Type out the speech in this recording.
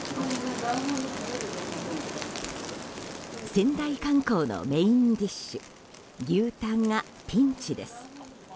仙台観光のメインディッシュ牛タンがピンチです。